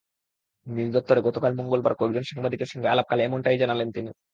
নিজ দপ্তরে গতকাল মঙ্গলবার কয়েকজন সাংবাদিকের সঙ্গে আলাপকালে এমনটাই জানালেন তিনি।